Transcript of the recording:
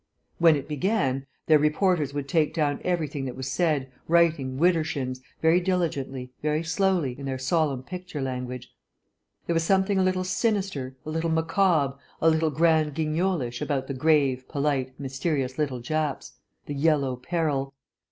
When it began, their reporters would take down everything that was said, writing widdershins, very diligently, very slowly, in their solemn picture language. There was something a little sinister, a little macabre, a little Grand Guignolish about the grave, polite, mysterious little Japs. The Yellow Peril.